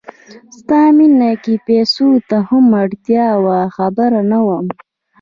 ستا مینه کې پیسو ته هم اړتیا وه خبر نه وم